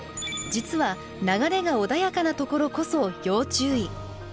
実は流れが穏やかなところこそ要注意！